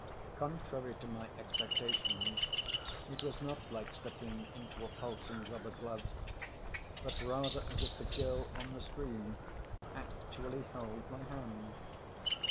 Contrary to my expectations, it was not like slipping into a pulsing rubber glove, but rather as if the girl on the screen actually held my hand.